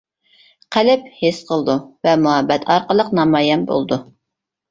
قەلب ھېس قىلىدۇ ۋە مۇھەببەت ئارقىلىق نامايان بولىدۇ.